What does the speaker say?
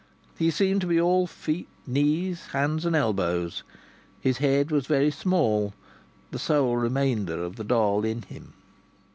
He seemed to be all feet, knees, hands and elbows. His head was very small the sole remainder of the doll in him.